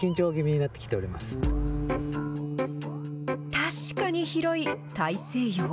確かに広い大西洋。